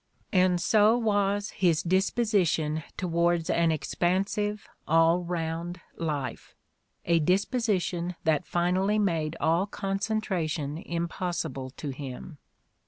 And so was his "dis position towards an expansive, all round life," a dis position that finally made all concentration impossible to him.